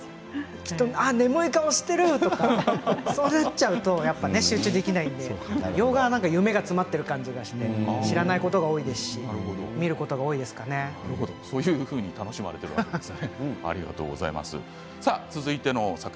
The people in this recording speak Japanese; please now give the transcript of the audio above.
知っていると眠い顔をしているとかそうなっちゃうと集中できないので洋画は夢が詰まっている感じがして、知らないことも多いしそういうふうに楽しまれているんですね。